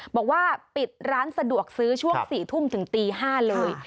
บอกว่าปิดร้านสะดวกซื้อช่วง๔ทุ่มถึงตี๕เลย